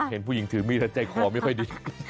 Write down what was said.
เห็นผู้หญิงถือมีดแล้วใจคอไม่ค่อยดี